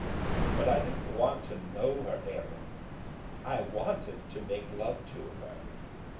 But I didn't want to know her errand; I wanted to make love to her.